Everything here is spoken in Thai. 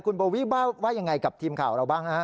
คุณโบวี่ว่ายังไงกับทีมข่าวเราบ้างฮะ